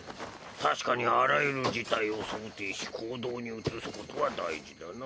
確かにあらゆる事態を想定し行動に移すことは大事だな。